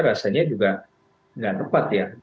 rasanya juga nggak tepat ya